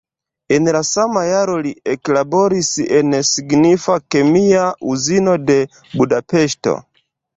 En la sama jaro li eklaboris en signifa kemia uzino de Budapeŝto.